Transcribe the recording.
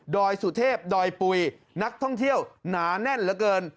อยสุเทพดอยปุ๋ยนักท่องเที่ยวหนาแน่นเหลือเกิน